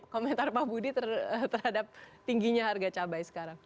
komentar pak budi terhadap tingginya harga cabai sekarang